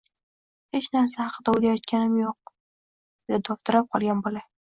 Hech narsa haqida oʻlayotganim yoʻq! – dedi dovdirab qolgan bola.